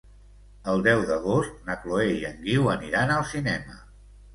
El deu d'agost na Chloé i en Guiu aniran al cinema.